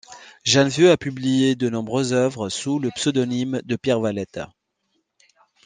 Jane Vieu a publié de nombreuses œuvres sous le pseudonyme de Pierre Valette.